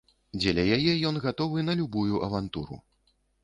Дзеля яе ён гатовы на любую авантуру.